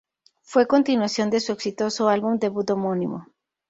Fue continuación de su exitoso álbum debut homónimo.